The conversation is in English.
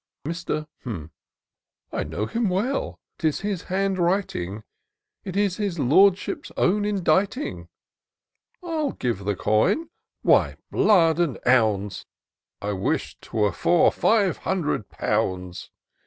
Mr. " I know him well, — ^'tis his hand writing— It is his Lordship's own inditing : I'll give the coin ;— ^Why, blood and 'ounds ! I wish 'twere for five hundred pounds